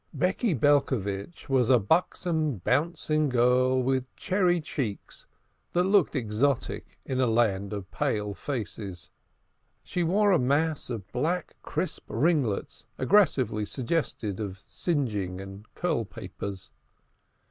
Becky Belcovitch was a buxom, bouncing girl, with cherry cheeks that looked exotic in a land of pale faces. She wore a mass of black crisp ringlets aggressively suggestive of singeing and curl papers.